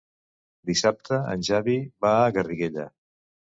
Dissabte en Xavi va a Garriguella.